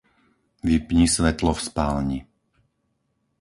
Vypni svetlo v spálni.